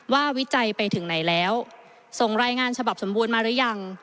วิจัยไปถึงไหนแล้วส่งรายงานฉบับสมบูรณ์มาหรือยัง